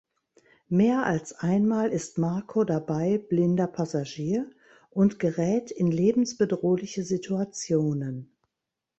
Mehr als einmal ist Marco dabei blinder Passagier und gerät in lebensbedrohliche Situationen.